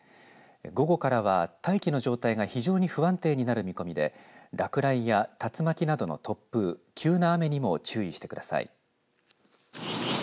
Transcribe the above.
午後からは大気の状態が非常に不安定になる見込みで落雷や竜巻などの突風急な雨にも注意してください。